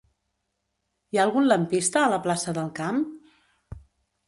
Hi ha algun lampista a la plaça del Camp?